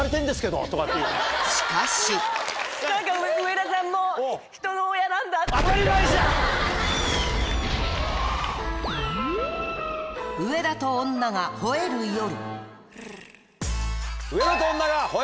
しかし『上田と女が吠える夜』！